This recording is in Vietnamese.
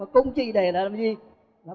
công trị để làm gì